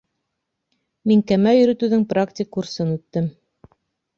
Мин кәмә йөрөтөүҙең практик курсын үттем